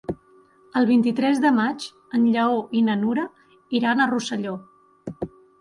El vint-i-tres de maig en Lleó i na Nura iran a Rosselló.